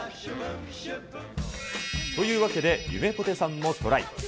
というわけで、ゆめぽてさんもトライ。